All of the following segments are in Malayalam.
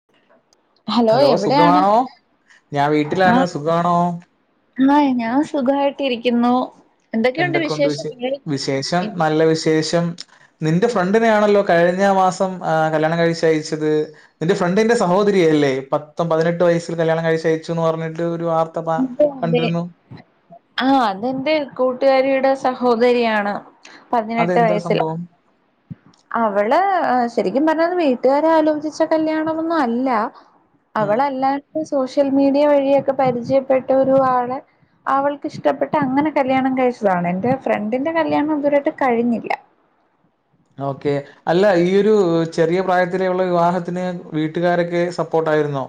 [inaudible] ഹലോ എവിടെയാണ് സുഖമാണോ ഞാൻ വീട്ടിലാണ് സുഖാണോ എന്ന ഞാൻ സുഖായിട്ടിരിക്കുന്നു എന്തൊക്കെയുണ്ട് എന്തൊക്കുണ്ട് വിശ വിശേഷങ്ങൾ വിശേഷം നല്ല വിശേഷം നിന്റെ ഫ്രണ്ടിനൊയാണല്ലോ കഴിഞ്ഞ മാസം ആഹ് കല്യാണകഴിച്ചയച്ചത് നിന്റെ ഫ്രണ്ടിന്റെ സഹോദരിയല്ലേ പത്തൊപതിനെട്ട് വയസ്സിൽ കല്യാണകഴിച്ചയച്ചു പറഞ്ഞിട്ട് ഒരു വാർ [unintelligible] അതെ അതെ കണ്ടിരുന്നു ആഹ് അതെൻ്റെ കൂട്ടുകാരിയുടെ സഹോദരിയാണ് പതിനെട്ട് അതെന്താ വയസ്സിൽ സംഭവം അവള് ശരിക്കുപറഞ്ഞ വീട്ടുകാര് ആലോചിച്ച കല്യാണമൊന്നു അല്ല ഉം അവളല്ലാത്ത സോഷ്യൽ മീഡിയ വഴിയൊക്കെ പരിചയപ്പെട്ട ഒരാളെ അവൾക്കിഷ്ടപ്പെട്ട് അങ്ങനെ കല്യാണം കഴിച്ചതാണ് എന്റെ ഫ്രണ്ടിന്റെ കല്യാണം ഇതുവരയിട്ട് കഴിഞ്ഞില്ല ഓക്കെ അല്ല ഈയൊരു ചെറിയ പ്രായത്തിലേുള്ള വിവാഹത്തിന് വീട്ടുകാരൊക്കെ സപ്പോട്ടായിരുന്നോ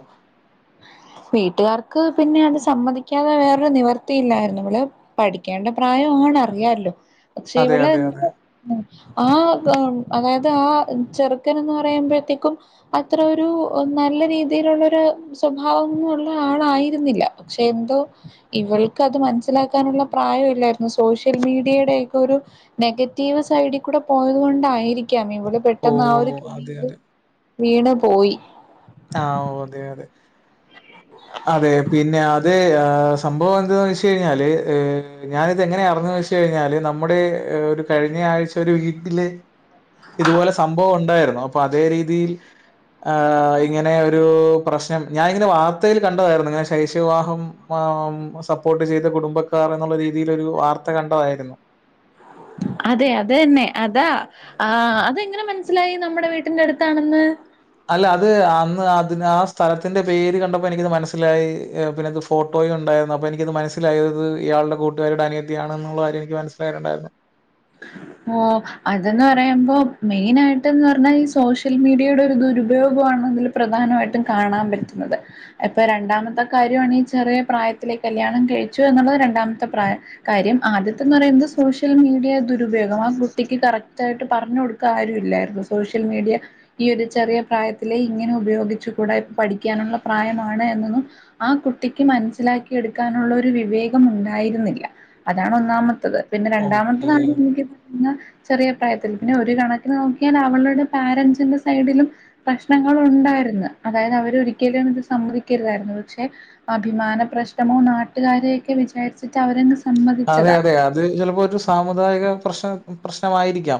വീട്ടുകാർക്ക് പിന്നെ അത് സമ്മതിക്കാതെ വേറൊരു നിവർത്തില്ലായിരുന്നു ഇവള് പഠിക്കേണ്ട പ്രായാണ് അറിയാലോ പക്ഷെ അതെ ഇവള് അതെ അതെ. എന്തോ ആഹ് അതായത് ആഹ് ചെറുക്കൻ എന്ന് പറയുമ്പോഴത്തേക്കും അത്ര ഒരു നല്ല രീതിയിലുള്ളരു സ്വഭ ഭാവന്നും ഉള്ള ആളായിരുന്നില്ല പക്ഷെ എന്തോ ഇവൾക്കത് മനസ്സിലാക്കാനുള്ള പ്രായം ഇല്ലായിരുന്നു സോഷ്യൽ മീഡിയയുടെയൊക്കെ ഒരു നെഗറ്റീവ് സൈഡിൽ കൂടെ പോയത് കൊണ്ടായിരിക്കാം ഇവള് ഓ പെട്ടെന്ന് ആഹ് ഒരു അതെ കെണില് അതെ. വീണു പോയി ആഹ് അതെ അതെ [inaudible] അതെ പിന്നെ അത് സംഭവം എന്തെന്നവെച്ചഴിഞ്ഞാല ഞാനിതങ്ങനെ അറിഞ്ഞ കഴിഞ്ഞാല് നമ്മുടെ ഒരു കഴിഞ്ഞ ആഴ്ചഒരു വീട്ടില് ഇതുപോലെ സംഭവം ഒണ്ടായിരുന്നു അപ്പോ അപ്പൊ അതേ രീതിയിൽ ഇങ്ങനെ ഒരു പ്രശ്നം ഞാനിങ്ങനെ വാർ വാർത്തയിൽ കണ്ടതായിരുന്നു ഇങ്ങനെ ശൈശവ വിവാഹം സപ്പോർട്ട് ചെയ്ത കുടുംബക്കാർ എന്നുള്ള രീതിയിലൊരു വാർത്ത ത്ത കണ്ടതായിരുന്നു അതെ അതന്നെ അതാ ആഹ് അതെങ്ങനെ മനസ്സിലായി നമ്മടെ വീട്ടിന്റെടുത്താണെന്ന് അല്ല അത് അന്ന് അതിന് ആഹ് സ്ഥലത്തിന്റെ പേര് കണ്ടപ്പോ എനിക്കത് മനസ്സിലായി പിന്നെ ഫോട്ടോയും ഉണ്ടായിരുന്നു അപ്പൾ എനിക്കത് ഫോട്ടോയുണ്ടാര്ന്ന് അപ്പോനിക്ക് മനസ്സിലായത് ഇയാളുടെ കൂട്ടുകാരിടെ അനിയത്തിയാണെന്നുള്ള കാര്യം എനിക്ക് മനസ്സിലായിട്ടുണ്ടായിരുന്നു [inaudible] ഓഹ് അതെന്ന് പറയുമ്പോ മെയിനായിട്ടെന്ന്റഞ്ഞാൽ ഈ സോഷ്യൽ മീഡിയയുടെ ഒരു ദുരുപയോഗമാണെങ്കിലും പ്രധാനായിട്ടും കാണാൻ പറ്റുന്നത് ഇപ്പൊ രണ്ടാമത്തെ കാര്യണ് ഈ ചെറിയപ്രായത്തിലെ കല്യാണകഴിച്ചുന്നുള്ളത് രണ്ടാമത്തെ പ്രായം കാര്യം ആദ്യത്തെന്ന്റയുന്നത് സോഷ്യൽ മീഡിയ ദുരുപയോഗം ആഹ് കുട്ടിക്ക് കറക്റ്റായിട്ട് പറഞ്ഞു കൊടുക്കാരുല്ലായിരുന്നു സോഷ്യൽ മീഡിയ ഈ ഒരു ചെറിയ പ്രായത്തിലെ ഇങ്ങനെ ഉപയോഗിച്ചു കൂട ഇപ്പ പഠിക്കാനുള്ള പ്രായമാണ് എന്നൊന്നും ആഹ് കുട്ടിക്ക് മനസ്സിലാക്കി എടുക്കാനുള്ള ഒരു വിവേകം ഉണ്ടായിരുന്നില്ല അതാണ് ഒന്നാമത്തത് പിന്നെ ഓക്കേ. രണ്ടാമത്തതാണ് [unintelligible] ചെറിയ പ്രായത്തില് പിന്നെ ഒരു കണക്കിന് നോക്കിയാൽ അവളുടെ പാരൻ്റ്സിന്റെ സൈഡിലും പ്രശ്നങ്ങണ്ടായിരുന്നു അതായത് അവരൊരിക്കലും ഇത് സമ്മതിക്കരുതായിരുന്നു പക്ഷെ അഭിമാന പ്രശ്നമോ നാട്ടുകാരെയൊക്കെ വിചാരിച്ചിട്ട് അവര അതെ അതെ അത് ചിലപ്പോ ഒരു സാമുദായിക പ്രശ്ന പ്രശ്നമായിരിക്കാം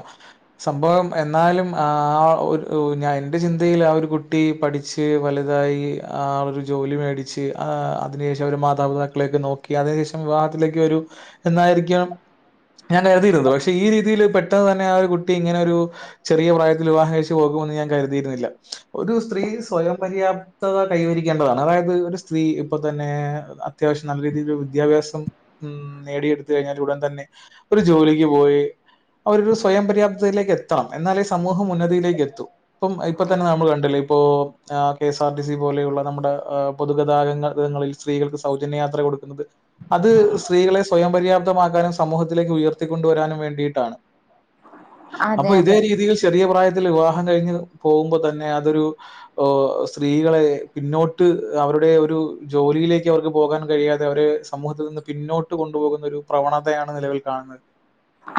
സംഭവം എന്നാലും ആ ആ ഒരു ഞാൻ എന്റെ ചിന്തയിൽ ആ ഒരു കുട്ടി പഠി ച്ച് വല്തായി ആ ഒരു ജോലി മേടിച്ച് ആ അതിനേഷം അവര് മാതാപിതാക്കളെക്കെ നോ ക്കി അതിനേഷം വിവാഹത്തിലേക്ക് ഒരു എന്നായിരിക്കാം ഞാന് തിയിരുന്നു പക്ഷേ ഈ രീതിയില് പെട്ടെന്ന് തന്നെ ആ ഒര് കുട്ടി ഇങ്ങനൊരൂ ചെറിയ പ്രായത്തില് വിവാഹം കഴിച്ച് പോകുമെന്ന് ഞാൻ കര്തിയിരുന്നില്ല ഒരു സ്ത്രീ സ്വയംപര്യാപ് തദാ കൈവരിക്കേണ്ടതാണ് അതായത് ഒര് സ്ത്രീ ഇപ്പൊ തന്നെ അത്യാവശ്യം നല്ല രീതിയില് വിദ്യാഭ്യാസം ഉം നേടിയെട്ത്ത് കഴിഞ്ഞാൽ ഉടൻ തന്നെ ഒര് ജോലിക്ക് പോയി അവരൊരു സ്വയം പര്യാപ്തദയിലേക്ക് എത്തണം എന്നാലേ സമൂഹം ഉന്നതിയിലേക്ക് എത്തൂ ഇപ്പം ഇപ്പൊതന്നെ നമ്മള് കണ്ടില്ലേ ഇപ്പോ കെഎസ് ആർ ടി സി പോലെയുള്ള നമ്മുടെ പൊതുഗതാഗതങ്ങളിൽ സ്ത്രീകൾക്ക് സൗജന്യയാത്ര കൊടുക്കുന്നത് അത് സ്ത്രീകളെ സ്വയം പര്യാപ്ത്തമാക്കാനും സമൂഹത്തിലേക് ഉയർത്തിക്കൊണ്ടവരാനും വേണ്ടിട്ടാണ് അപ്പൊ അതെ ഇതേ അതെ രീതിയിൽ ചെറിയ പ്രായത്തിൽ വിവാഹം കഴിഞ്ഞ് പോവുമ്പോ തന്നെ അതൊരു ഓ സ്ത്രീകളെ പിന്നോട്ട് അവരുടെ ഒരു ജോലിയിലേക്ക് അവർക്ക് പോകാൻ കഴിയാതെ അവരെ സമൂഹത്തിൽ നിന്ന് പിന്നോട്ട് കൊണ്ടുപോകുന്ന ഒരു പ്രവണതയാണ് നിലവിൽ കാണ്ന്നത്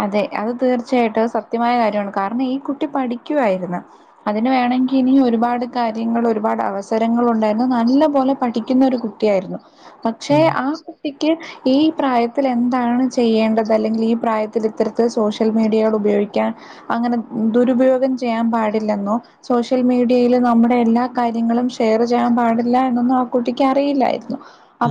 അതെ അഹ് തീർച്ചായിട്ടും അഹ് സത്യമായ കാര്യാണ് കാരണം ഈ കുട്ടി പഠിക്കുവായിരുന്ന് അതിന് വേണങ്കി ഇനീ ഒര്പാട് കാര്യങ്ങള് ഒരുപാട് അവസരങ്ങളുണ്ടായിരുന്നു നല്ല പോലെ പഠിക്കുന്ന ഒര് കു ട്ടിയായിര്ന്നു പക്ഷെ ഉം, ആ കുട്ടിക്ക് ഈ പ്രായത്തില് എന്താണ് ചെയ്യേണ്ടത് അല്ലെങ്കില് ഈ പ്രായ ത്തില് ഇത്തരത്തില് സോഷ്യൽ മീഡിയകള് ഉപയോഗിക്കാൻ അങ്ങനെ ദുരുപയോഗം ചെയ്യാൻ പാടില്ലെന്നോ സോഷ്യൽ മീഡിയില് നമ്മുടെ എല്ലാ കാര്യങ്ങളും ഷെയറ് ചെയ്യാൻ പാടില്ലാ എന്നൊന്നും ആ കുട്ടിക്ക് അറിയില്ലായിര്ന്നു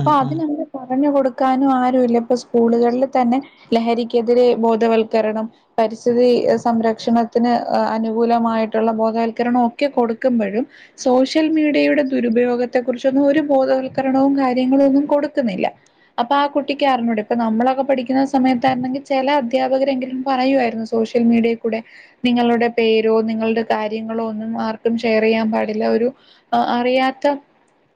ഉം, ഉം. അതിനങ്ങനേ പറഞ്ഞ് കൊട്ക്കാനും ആരുല്ലാ ഇപ്പ സ്കൂളുകളില് തന്നെ ലഹരിക്കെതിരെ ബോധവൽക്കരണം പരിസ്ഥിതി സംരക്ഷണത്തിന് അനുകൂലമായിട്ടുള്ള ബോധവൽക്കരണം ഒക്കെ കൊടുക്ക്മ്പഴും സോഷ്യൽ മീഡിയയുടെ ദുരുപയോഗത്തെ കുറിച്ചൊന്നും ഒര് ബോധവൽക്കരണവും കാര്യങ്ങളും ഒന്നും കൊടുക്ക്ന്നില്ലാ അപ്പാ ആ കുട്ടിക്ക് അറിഞ്ഞൂടെ ഇപ്പാ നമ്മളൊക്കെ പഠിക്ക്ന്നാ സമയത്താര്ന്നെങ്കി ചെല അ അധ്യാപകരെങ്കിലും പറയുവായിരുന്നു സോഷ്യൽ മീഡിയെ കൂടെ നിങ്ങളുടെ പേരോ നിങ്ങളുടെ കാര്യങ്ങളോ ഒന്നും ആർക്കും ഷെയറ്യ്യാൻ പാടില്ലാ ഒരു അ അറിയാത്ത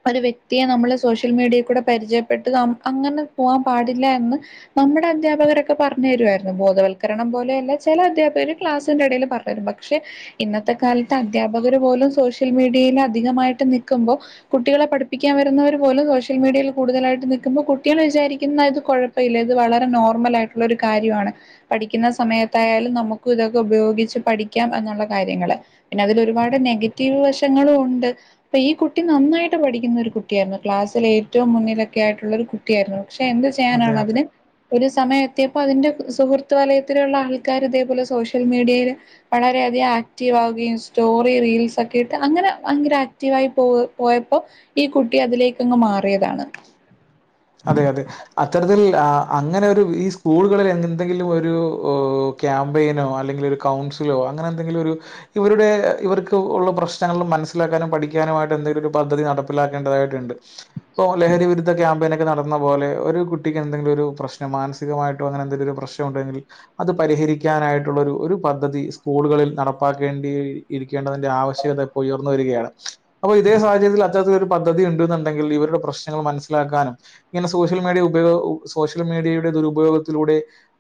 ഒര് വ്യക്തിയെ നമ്മള് സോഷ്യൽ മീഡിയെ കൂടെ പരിചയപ്പെട്ടത് അങ്ങനെ പോവാൻ പാടില്ല എന്ന് നമ്മടെ അധ്യാപകരൊക്കെ പറഞ്ഞേരവരുന്ന് ബോധവൽക്കരണം പോലെ അല്ല ചെല അധ്യാപകര് ക്ലാസ്സിന്റെ ഇടെല് പറഞ്ഞേരും പക്ഷെ ഇന്നത്തെ കാലത്ത് അധ്യാപകര് പോലും സോഷ്യൽ മീഡിയ്ല് അധികമായിട്ട് നിക്ക്മ്പോ കുട്ടികളെ പഠിപ്പിക്കാൻ വരുന്നവര് പോലും സോഷ്യൽ മീഡിയ്ൽ കൂടുതലായിട്ട് നിൽക്കുമ്പോ കുട്ടികള് വിചാരിക്കുന്നത് കൊഴ് പ്പല്ല ത് വളരെ നോർമലായിട്ടുള്ളാ ഒര് കാര്യവാണ് പഠിക്കിന്ന സമയത്തായാലും നമുക്കും ഇതൊക്കെ ഉപയോഗിച്ച് പഠിക്കാം അന്നുള്ള കാര്യങ്ങള് പിന്നെ അതില് ഒരുപാട് നെഗറ്റീവ് വശങ്ങളും ഉണ്ട് പ്പാ ഈ കുട്ടി നന്നായിട്ട് പഠിക്കുന്ന ഒര് കുട്ടിയര്ന്നു ക്ലാസ്സിലെറ്റവും മുന്നിലൊക്കെ ആയിട്ടുള്ളാ ഒര് കുട്ടി ആയിര്ന്നു പക്ഷെ എന്ത് ചെയ്യാനാണ് അതെ അതിനെ ഒര് സമയം എത്തിയപ്പോ അതിന്റെ സുഹൃത്ത് വാലയത്തിലുള്ള ആൾക്കാര് ഇതേപോലെ സോഷ്യൽ മീഡിയ്ല് വളരെയധികം ആക്റ്റീവ് ആവുകയും സ്റ്റോറി റീൽസ് ഒക്കെ ഇട്ട് അങ്ങനെ ഭയങ്കര ആക്റ്റീവായി പോ പോയപ്പോ ഈ കുട്ടി അതിലേക്കങ്ങ് മാറിയതാണ് അതെ അതെ അത്തരത്തിൽ ആ അങ്ങനെ ഒരു ഈ സ്കൂളുകളില് എന്തെങ്കിലും ഒരു ഓ ക്യാമ്പയിനോ അല്ലെങ്കില് ഒരു കൗൺസിലോ അങ്ങനെ എന്തെങ്കിലും ഒരു ഇവരുടെ ഇവർക്ക് ഉള്ള പ്രശ്നങ്ങളും മനസ്സിലാക്കാനും പഠിക്കാനുമായിട്ട് എന്തെലോക്കെ ഒര് പദ്ധതി നടപ്പിലാക്കേണ്ടതായിട്ട്ണ്ട് ഇപ്പൊ ലഹരിവിരുദ്ധ ക്യാമ്പയിനെ നടന്ന പോലെ ഒരു കുട്ടക്ക് എന്തെങ്കിലൊരു പ്രശ്നം മാനസികമായിട്ടോ അങ്ങനെ എന്തെങ്കിലും പ്രശ്നം ഉണ്ടെങ്കില് അത് പരിഹരിക്കാനായിട്ടുള്ള ഒര് ഒരു പദ്ധതി സ്കൂളുകളിൽ നടപ്പാക്കേണ്ടി ഇരിക്കേണ്ടതന്റെ ആവശ്യകത ഇപ്പോ ഉയർന്ന് വരികയാണ് അപ്പൊ ഇതേ സാഹചയത്തിൽ അത്തരത്തിത്തിലുള്ളാ ഒര് പദ്ധതി ഇണ്ട്ന്ന്ണ്ടങ്കിൽ ഇവരുടെ പ്രശ്നങ്ങളും മനസ്സിലാക്കാനും ഇങ്ങനെ സോഷ്യൽ മീഡിയ ഉപയോഗ സോഷ്യൽ മീഡിയയുടെ ദുരുപയോഗത്തിലൂടെ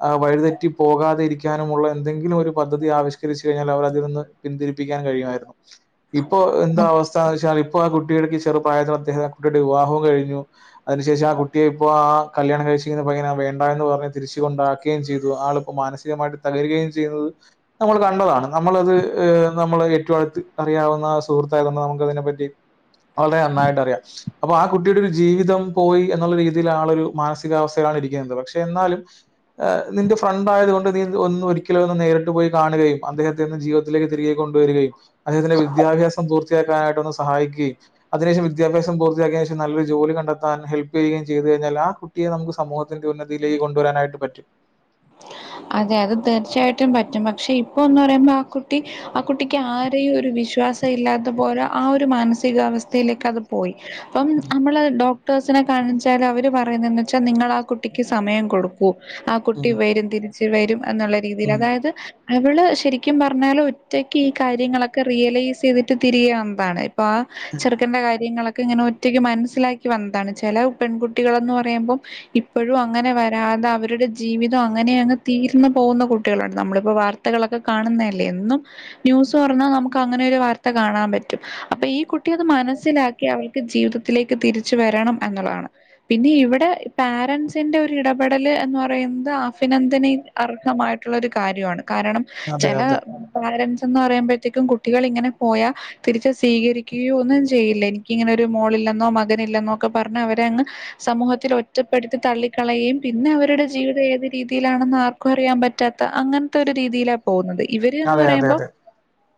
ആ വഴിതെറ്റി പോകാതെ ഇരിക്കാനുമുള്ള എന്തെങ്കിലും ഒരു പദ്ധതി ആവിഷ്കരിച്ച് കഴിഞ്ഞാൽ അവരതിൽ നിന്ന് പിന്തിരിപ്പിക്കാനും കഴിയുമായിര് [inaudible] ഇപ്പൊ എന്താ അവസ്ഥന്ന് വെച്ചാൽ ഇപ്പൊ ആ കുട്ടിയടക്ക് ചെറുപായത്തിൽ അദ്ദേഹം ആ കുട്ടിയുടെ വിവാഹവും കഴിഞ്ഞു അതിനു ശേഷം ആ കുട്ടിയെ ഇപ്പോ ആ കല്യാണം കഴ്ച്ച്ക്ക്ന്ന പയ്യനെ വേണ്ട എന്ന് പറഞ്ഞ് തിരിച്ചു കൊണ്ടാക്ക്യേം ചെയ്തു. ആളിപ്പോ മാനസികമായിട്ട് തകരുകയും ചെയ്തത് നമ്മൾ കണ്ടതാണ് നമ്മളത് നമ്മള് ഏറ്റവും അടുത്ത് അറിയാവുന്ന സുഹൃത്തായതൊണ്ട് നമുക്ക്തിനെപ്പറ്റി വളരെ നന്നായിട്ട് അറിയാം അപ്പൊ ആ കുട്ടിയുടെ ഒരു ജീവിതം പോയി എന്നുള്ള രീതിയില ആളൊ ഒരു മാനസികാവസ്ഥയിലാണ് ഇരിക്കുന്നത് പക്ഷെ എന്നാലും ് നിന്റെ ഫ്രണ്ട് ആയതത് കൊണ്ട് നീ ഒന്ന് ഒരിക്കലോ ഒന്ന് നേരിട്ട് പോയി കാണുകയും അദ്ദേഹത്തി നിന്ന് ജീവിത ത്തിലേക്ക് തിരികെ കൊണ്ടുവരികയും അദ്ദേഹത്തിന്റെ വിദ്യാഭ്യാസം പൂർത്തിയാക്കാനായിട്ടൊന്ന് സഹായിക്കുകയും അതിനശേഷം വിദ്യാഭ്യാസം പൂർത്തിയാക്കിയ നേശം നല്ലരു ജോലി കണ്ടെ ത്താൻ ഹെൽപ് ചെയ്യുകയും ചെയ്തു കിഞ്ഞാൽ ആ കുട്ടിയെ നമുക്ക് സമൂഹത്തിന്റെ ഉന്നതിയിലേക്ക് കൊണ്ടുവരാനായിട്ട് പറ്റും അതെ അത് തീർച്ചയായിട്ടും പറ്റും പക്ഷെ ഇപ്പൊ എന്ന് പറയുമ്പോ ആ കുട്ടി ആ കുട്ടിക്ക് ആരെയും ഒരു വിശ്വാസം ഇല്ലാത്ത പോലെ ആ ഒരു മാനസികാവസ്ഥയിലേക്ക് അത് പോയി അപ്പം ഉം. നമ്മള് ഡോ ക്ടേഴ്സിനെ കാണിച്ചാൽ അവർ പറയുന്നതെന്ന് വെച്ചാൽ നിങ്ങൾ ആ കുട്ടിക്ക് സമയം കൊടു ക്കൂ. ആ ഉം. കുട്ടി വരും തിരിച്ച് വരും എന്നുള്ള രീതിയിൽ ഉം. അതായത് അവള് ശരിക്കും പറഞ്ഞാല് ഒറ്റക്ക് ഈ കാര്യങ്ങളൊക്കെ റിയലൈസ് ചെയ്തിട്ട് തിരികെ വന്നതാണ് അപ്പ ആ ഉം. ചെറുക്കന്റെ കാര്യങ്ങളൊക് ക്കെ ഇങ്ങനെ ഒറ്റയ്ക്ക് മനസ്സിലാക്കി വന്നതാണ് ചില പെൺകുട്ടികൾന്ന് പറയുമ്പോം ഇപ്പൊഴും അങ്ങനെ വരാതെ അവരുടെ ജീവിതം അങ്ങനെയങ്ങ് തീർന്ന് പോകുന്ന കുട്ടികളാണ് നമ്മളിപ്പോ വാർത്തകളൊക്കെ കാണുന്നല്ലേ എന്നും ന്യൂസ് തുറന്നാ നമുക്ക് അങ്ങനെ ഒരു വാർത്ത കാണാൻ പറ്റും അപ്പൊ ഈ കുട്ടി അത് മനസ്സിലാക്കി അവൾക്ക് ജീവിതത്തിലേക്ക് തിരിച്ചു വരണം എന്നുള്ളതാണ് പിന്നെ ഇവിടെ പാരൻറ്സിന്റെ ഒരു ഇടപെടല് എന്ന് പറയുന്നത് ആഭിനന്ദനെ അർഹമായിട്ടുള്ള ഒരു കാര്യമാണ് കാരണം അതെ, ചെല അതെ. പാരൻറ്സ് എന്ന് പറയുമ്പോഴത്തേക്കും കുട്ടികളിങ്ങനെ പോയാ തിരിച്ച് സ്വീകരിക്കുകയോ ഒന്നും ചെയ്യില്ല എനിക്കിങ്ങനെരു മോളില്ലെന്നോ മകനില്ലെന്നോ ഒക്കെ പറഞ്ഞ് അവരെ അങ്ങ് സമൂഹത്തിൽ ഒറ്റപ്പെടുത്തി തള്ളിക്കളയുകയും പിന്നെ അവരുടെ ജീവിതം ഏത് രീതിയിലാണെന്നാർ ക്കറിയൻ പറ്റാത്ത അങ്ങനത്തെ ഒരു രീതിയിലാ പോകുന്നത് ഇവര് എന്ന് അതെ, അതെ, പറയുമ്പോ അതെ.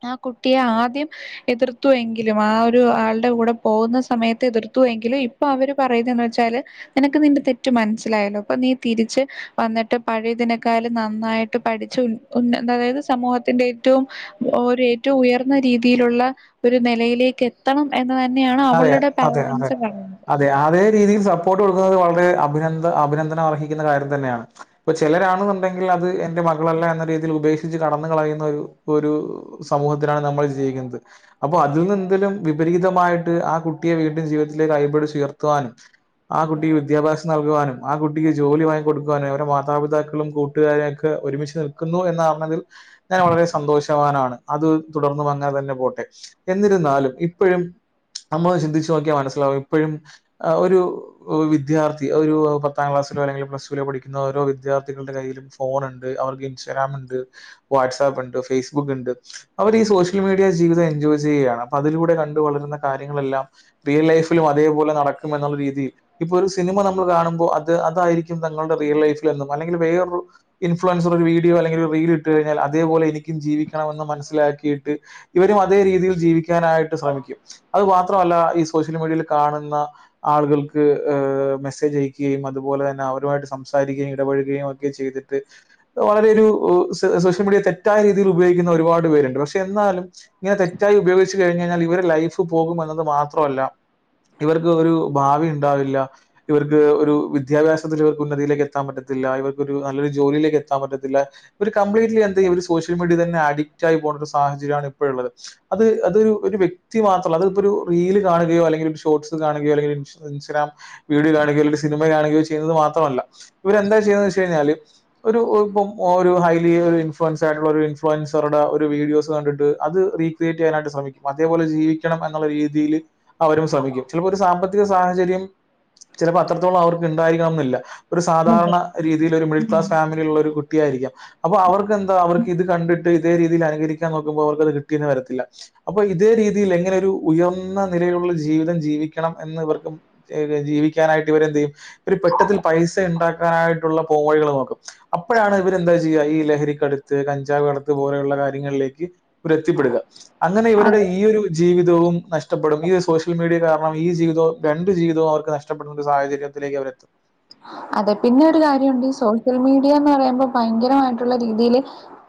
ആ കുട്ടിയെ ആദ്യം എതിർത്തുവെങ്കിലും ആ ഒരു ആളുടെ കൂടെ പോകുന്ന സമയത്ത് എതിർത്തുവെങ്കിലും അപ്പൊ അവര് പറയതന്ന് വെച്ചാല് നിനക്ക് നിന്റെ തെറ്റ് മനസ്സിലായല്ലോ അപ്പൊ നീ തിരിച്ച് വന്നിട്ട് പഴയതിനേ കാലും നന്നായിട്ട് പഠിച്ചച്ച് ഉൻ ഉൻ അതായത് സമൂഹത്തിന്റെ ഏറ്റവും ഒരു ഏറ്റവും ഉയർന്ന രീതിയിലുള്ള ഒരു നിലയിലേക്ക് എത്തണം എന്ന് തന്നെയാണ് അതെ, അവളുടെ അതെ, അതെ. പാരൻസ് പറയുന്നത് അതെ അതേ രീതിയിൽ സപ്പോർട്ട് കൊടുക്കുന്നത് വളരെ അഭിനന്ദ അഭിനന്ദനം അർഹിക്കുന്ന കാര്യം തന്നെയാണ് ഇപ്പൊ ചിലരാണെന്നുണ്ടെങ്കിൽ അത് എന്റെ മകളല്ല എന്ന രീതിയിൽ ഉപേക്ഷിച്ച് കടന്ന കളയുന്ന ഒരു ഒരു സമൂഹത്തിലനാണ് നമ്മൾ ജീവിക്കുന്നത് അപ്പൊ അതിൽ നിന്ന് എന്തലും വിപരീതമായിട്ട് ആ കുട്ടിയെ വീട്ടും ജീവിതത്തിലേക്ക് കൈപിടിച്ചു ഉയർത്തുവാനും ആ കുട്ടിക്ക് വിദ്യാഭ്യാസം നൽകുവാനും ആ കുട്ടിക്ക് ജോലി വാങ്ങി കൊടുക്കുവാനും അവരെ മാതാപിതാക്കളും കൂട്ടുകാരും ഒക്കെ ഒരുമിച്ച് നിൽക്കുന്നു എന്ന് അറിഞ്ഞതിൽ ഞാൻ വളരെ സന്തോഷവാനാണ് അത് തുടർന്നും അങ്ങനെ തന്നെ പോട്ടെ എന്നിരു ന്നാലും ഇപ്പൊഴും നമ്മൾ ചിന്തിച്ചു നോക്കിയാൽ മനസ്സിലാവും ഇപ്പൊഴും ഒരു ഒരു വിദ്യാർത്ഥി ഒരു പത്താം ക്ലാസിലോ അല്ലെങ്കിൽ പ്ലസ് ടുവിലോ പഠിക്കുന്ന ഓരോ വിദ്യാർഥികളുടെ കയ്യിലും ഫോൺുണ്ട് അവർക്ക് ഇൻസ്റ്റഗ്രാം ഉണ്ട്. വാട്സ്ആപ്പ് ഉണ്ട് ഫേസ്ബുക്ക് ഉണ്ട് അവർ ഈ സോഷ്യൽ മീഡിയ ജീവിതം എൻജോയ് ചെയ്യുകയാണ്. അതിലൂടെ കണ്ട വളരുന്ന കാര്യങ്ങളെല്ലാം റിയൽ ലൈഫിലും അതേപോലെ നടക്കുംെന്നുള്ള രീതിയിൽ- ഇപ്പൊ ഒരു സിനിമ നമ്മൾ കാണുമ്പോൾ അത് അതായിരിക്കും തങ്ങളുടെ റിയൽ ലൈഫിൽന്നും അല്ലെങ്കിൽ വേറൊരു- ഇൻഫ്ലുവൻസർ ഒരു വീഡിയോ അല്ലെങ്കിൽ ഒരു റീൽ ഇട്ട് കഴിഞ്ഞൽ അതേപോലെ എനിക്കും ജീവിക്കണമെന്ന് മനസ്സിലാക്കിയിട്ട് ഇവരും അതേ രീതിയിൽ ജീവിക്കാനായിട്ട് ശ്രമിക്കും അത് മാത്രമല്ല ഈ സോഷ്യൽ മീഡിയയിൽ കാണുന്ന ആളുകൾക്ക് മെസ്സേജ് അയക്കുകയും അതുപോലെ തന്നെ അവരുമായിട്ട് സംസാരിക്കുകയും ഇടപെഴുകയും ഒക്കെ ചെയ്തിട്ട് വളരെ ഒരു സോഷ്യൽ മീഡിയ തെറ്റായ രീതിയിൽ ഉപയോഗിക്കുന്ന ഒരുപാട് പേരുണ്ട് പക്ഷെ എന്നാലും ഇങ്ങനെ തെറ്റായി ഉപയോഗിച്ച് കഴിഞ്ഞ് കഴിഞ്ഞാൽ ഇവരെ ലൈഫ് പോകും എന്നത് മാത്രല്ല ഇവർക്ക് ഒരു ഭാവി ഉണ്ടാവില്ല ഇവർക്ക് ഒരു വിദ്യാഭ്യാസത്തിൽ ഇവർക്ക് ഉന്നതിയിലേക്ക് എത്താൻ പറ്റത്തില്ല ഇവർക്ക് ഒരു നല്ലൊരു ജോലിയിലേക്ക് എത്താൻ പറ്റത്തില്ല ഇര് കംപ്ലീറ്റ്ലി എന്ത് ചെയ്യും ഇവര് സോഷ്യൽ മീഡിയയിൽ തന്നെ അഡിറ്റ് ആയി പോകുന്ന ഒരു സാഹചര്യമാണ് ഇപ്പഴുള്ളത് അത്- അത് അതൊരു ഒരു വ്യക്തി മാത്രം അത് ഇപ്പോ ഒരു റീൽ കാണുകയോ അല്ലെങ്കിൽ ഒരു ഷോർട്്സ് കാണുകയോ അല്ലങ്കിൽ ഇൻസ്ഗ്രാം- വീഡിയോ കാണുകയോ അല്ലങ്കിൽ സിനിമ കാണുകയോ ചെയ്യുന്നത് മാത്രമല്ല ഇവർ എന്താ ചെയ്യുന്നന്ന് വെച്ച് കഴിഞ്ഞാല് ഒരു ഇപ്പം ഒരു ഹൈലി ഒരു ഇൻഫ്ലുവൻസ് ആയിട്ടുള്ള ഒരു ഇൻഫ്ലുവൻസറടെ ഒരു വീഡിയോസ് കണ്ടിട്ട് അത് റീ [unintelligible] ശ്രമിക്കും അതേപോലെ ജീവിക്കണം എന്നുള്ള രീതിയിൽ അവരും ശ്രമിക്കും ചിലപ്പോ ഒരു സാമ്പത്തിക സാഹചര്യം ചിലപ്പോ അത്രത്തോളം അവർക്ക് ഉണ്ടായിരിക്കണ്ണം ഇല്ല ഒരു സാധാരണ അതെ രീതിയിൽ ഒരു മിഡിൽ ഉം ക്ലാസ് ഫാമിലി ഉള്ള ഒരു കുട്ട കുായിരിക്കാം അപ്പൊ അവർക്ക് എന്താ അവർക്ക് ഇത് കണ്ടിട്ട് ഇതേ രീതിയിൽ അനുകകരിക്കാൻ നോക്കുമ്പോ അവർക്ക്ത് കിട്ടിയന്ന് വരത്തില്ല. അപ്പൊ ഇതേ രീതിയിൽ എങ്ങനെ ഒരു ഉയർന്ന നിലയിലുള്ള ജീവിതം ജീവിക്കണം എന്ന് ഇവർക്ക് ഏത് ജീവിക്കാനായിട്ട് ഇവരെന്ത് ചെയ്യും ഇവര് പെട്ടെന്ന് പൈസ ഈണ്ടാക്കാനായിട്ടുള്ള പോവഴികൾ നോക്കും. അപ്പോഴാണ് ഇവര്ന്താ ചെയ്യുക ഈ ലഹരിക്കടുത്ത് കഞ്ചാവ് കടത്ത് പോലെയുള്ള കാര്യങ്ങളിലേക്ക് ഒരു എത്തിപ്പെടുക അങ്ങനെ അതെ. ഇവരുടെ ഈ ഒരു ജീവിതവും നഷ്ടപ്പെടും ഈ സോഷ്യൽ മീഡിയ കാരണം ഈ ജീവിതവും രണ്ട് ജീവിതവും അവർക്ക് നഷ്ടപ്പെടുന്ന ഒരു സാഹചര്യം. അവർ എത്തും. അതെ പിന്നെ ഒരു കാര്യമുണ്ട്ഈ സോഷ്യൽ മീഡിയന്ന് പറയുമ്പോ ഭയങ്കരമായിട്ടുള്ള രീതിയില്.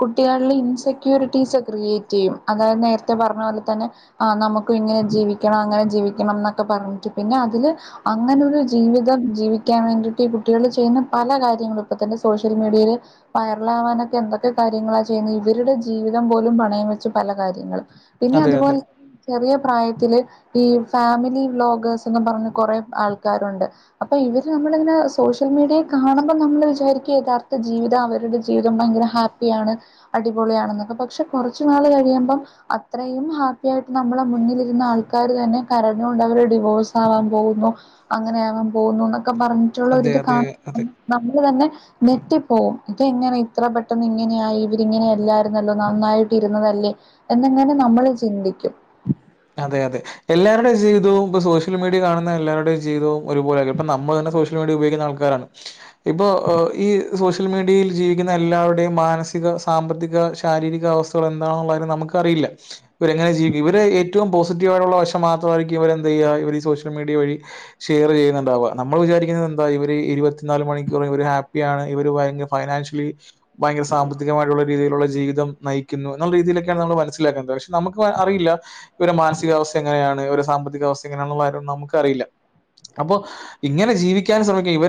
കുട്ടികളില് ഇൻസെക്യൂരിറ്റീസ് ക്രിയേറ്റ് ചെയ്യും അതായത് നേരത്തെ പറഞ്ഞ പോലെ തന്നെ. ആഹ് നമുക്ക് ഇങ്ങനെ ജീവിക്കണം അങ്ങനെ ജീവിക്കണം എന്നൊക്കെ പറഞ്ഞിട്ട് പിന്നെ അതില്. അങ്ങനെൊരു ജീവിതം ജീവിക്കാൻ വേണ്ടിട്ട് ഈ കുട്ടികൾ ചെയ്യുന്ന പല കാര്യങ്ങളും ഇപ്പൾ തന്നെ സോഷ്യൽ മീഡിയയില് വയറലാാവാനൊക്കെ എന്തൊക്കെ കാര്യങ്ങളാ ചെയ്യുന്നത് ഇവരുടെ ജീവിതം പോലും പണയം വെച്ച് പല കാര്യങ്ങളും. പിന്നെ അതെ, അതെ. അതുപോലെ ചെറിയ പ്രായത്തില് ഈ ഫാമിലി ബ്ലോഗേഴസ്ന്ന് പറഞ് കൊറെേ ആൾക്കാരുണ്ട്. അപ്പൊ ഇവര് നമ്മള ഇങ്ങ. സോഷ്യൽ മീഡിയേ കാണുമ്പം നമ്മള് വിചാരിക്കും യഥാർത്ഥ ജീവിതം അവരുടെ ജീവിതം ഭയങ്കര ഹാപ്പിയാണ് അടിപൊളിയാണെന്നൊക്കെ പക്ഷെ കുറച്ചു നാള് കഴിയുമ്പം അത്രയും ഹാപ്പി ആയിട്ട് നമ്മളെ മുന്നിലിരുന്ന ആൾക്കാര് തന്നെ കരഞ്ഞുകൊണ്ട് അവര് ഡിവോഴ്സ് ആവാൻ പോകുന്നു അങ്ങനെയാകൻ പോകുന്നു എന്നൊക്കെ പറഞ്ഞിട്ടുള്ള ഒരി അതെ, ഇത് അതെ, അതെ. കാണുമ്പം നമ്മള് തന്നെ നെട്ടിപ്പോവും ഇതെങ്ങനെ ഇത്ര പെട്ടെന്ന് ഇങ്ങനെയായി ഇവരിങ്ങനെയല്ലായിരുന്നല്ലോ നന്നായിട്ടിരുന്നതല്ലേ എന്നെങ്ങനെ നമ്മള് ചിന്തിക്കും അതെ അതെ എല്ലാരുടെ ജീവിതവും ഇപ്പോ സോഷ്യൽ മീഡിയ കാണുന്ന എല്ലാവരുടെ ജീവിതവും ഒരു പോലെയായിരിക്കും ഇപ്പ നമ്മൾ തന്നെ സൊഷ്യ മിഡിയ ഉപയോഗിക്കുന്ന ആൾക്കാരാണ് ഇപ്പോ ഈ സോഷ്യൽ മീഡിയയിൽ ജീവിക്കുന്ന എല്ലാവരുടെയും മാനസിക സാമ്പത്തിക ശാരീരികാവസ്ഥ ഇവര് എന്താണ് നുള്ളത് നമുക്കറിയില്ല ഇവങ്ങനെ ജീവിക്കും ഇവര് എ ഏറ്റവും പോസിറ്റീവ് ആടയിട്ടു ള്ള വശം മാത്രമായിരിക്കും ഇവരെന്തന്ത്യ്യാ ഇവർ സോഷ്യൽ മീഡിയ വഴി ഷെയർ ചെയ്യുന്നുണ്ടാവുക നമ്മൾ വിചാരിക്കുന്നത് എന്താ ഇവര് ഇരുപത്തിനാല് മണിക്കൂർ ഇവര് ഹാപ്പിയാണ് ഇവര് ഭയങ്കര ഫൈനാൻഷലി ഭയങ്കര സാമ്പത്തികമായിട്ടുള്ള രീതിയിലുള്ള ജീവിതം നയിക്കുന്നു എന്നുള്ള രീതിയിലൊക്കെയാണ് നമ്മൾ മനസ്സിലാക്കു ന്നത് പക്ഷെ നമുക്ക് അറിയില്ല ഇവരെ മാനസികാവസ്ഥ എങ്ങനെയാണ് ഒരു സാമ്പത്തികാവസ്ഥ എങ്ങനെയാണു ള്ള കാര്യന്നും നമുക്ക് അറിയില്ല അപ്പൊ ഇങ്ങനെ ജീവിക്കാൻ ശ്രമിക്കുകയും ഇവരെ